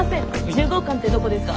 １０号館ってどこですか？